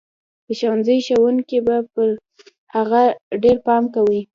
د ښوونځي ښوونکي به پر هغه ډېر پام کوي.